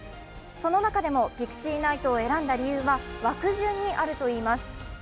その中でもピクシーナイトを選んだ理由は枠順にあるといいます。